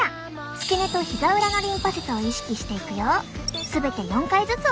付け根とひざ裏のリンパ節を意識していくよ。